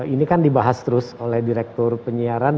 ini kan dibahas terus oleh direktur penyiaran